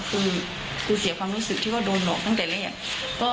คือเสียความรู้สึกที่ว่าโดนหลอกตั้งแต่แรก